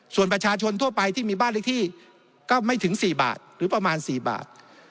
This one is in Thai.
ส่วนประชาชนทั่วไปที่มีบ้านเลขที่ก็ไม่ถึง๔บาทหรือประมาณ๔บาท